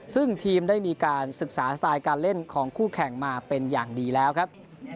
ซึ่งทีมได้มีการศึกษาสไตล์การเล่นของคู่แข่งมาเป็นอย่างดีแล้วครับ